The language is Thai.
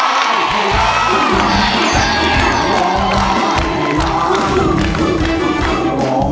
ให้ร้อง